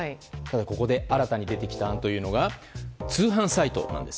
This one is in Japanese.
ここで新たに出てきた案というのは通販サイトなんです。